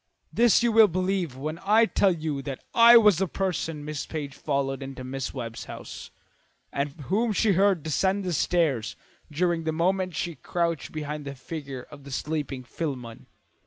This you will believe when I tell you that I was the person Miss Page followed into Mrs. Webb's house and whom she heard descend the stairs during the moment she crouched behind the figure of the sleeping Philemon."